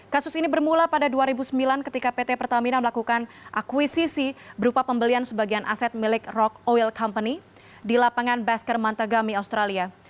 kasus ini bermula pada dua ribu sembilan ketika pt pertamina melakukan akuisisi berupa pembelian sebagian aset milik rock oil company di lapangan basker mantagami australia